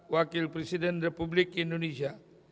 wakil presiden republik indonesia